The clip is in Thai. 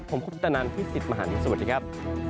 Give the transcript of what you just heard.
ผมคุณตะนันที่๑๐มหันธุ์สวัสดีครับ